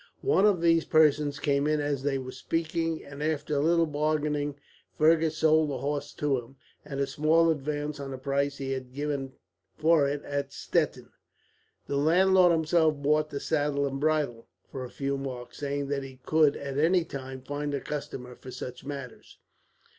One of these persons came in as they were speaking, and after a little bargaining Fergus sold the horse to him, at a small advance on the price he had given for it at Stettin. The landlord himself bought the saddle and bridle, for a few marks; saying that he could, at any time, find a customer for such matters.